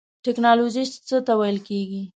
ټیکنالوژی څه ته ویل کیږی؟